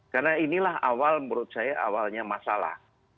karena inilah awal menurut saya awalnya masalah